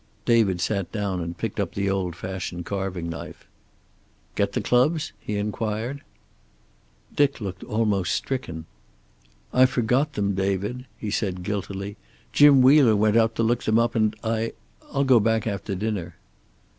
David sat down and picked up the old fashioned carving knife. "Get the clubs?" he inquired. Dick looked almost stricken. "I forgot them, David," he said guiltily. "Jim Wheeler went out to look them up, and I I'll go back after dinner."